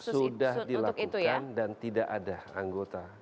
sudah dilakukan dan tidak ada anggota